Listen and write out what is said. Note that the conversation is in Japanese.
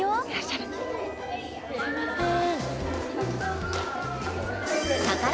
すいません。